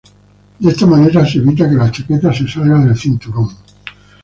De esta manera se evita que la chaqueta se salga del cinturón.